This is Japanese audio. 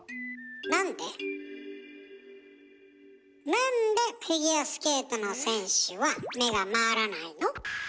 なんでフィギュアスケートの選手は目が回らないの？